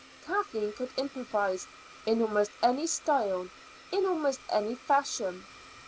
Kathleen could improvise in almost any style, in almost any fashion.